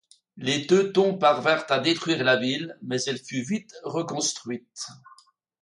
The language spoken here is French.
Les Teutons parvinrent à détruire la ville, mais elle fut vite reconstruite.